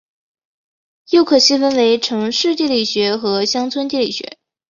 又可细分为城市地理学和乡村地理学。